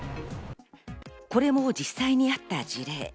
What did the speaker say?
これも実際にあった事例。